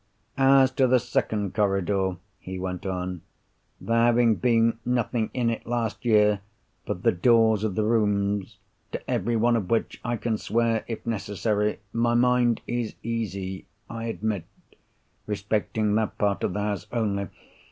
"As to the second corridor," he went on. "There having been nothing in it, last year, but the doors of the rooms (to everyone of which I can swear, if necessary), my mind is easy, I admit, respecting that part of the house only.